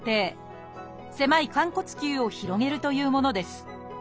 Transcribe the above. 狭い寛骨臼を広げるというものです。